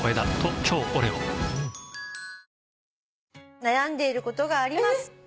「悩んでいることがあります。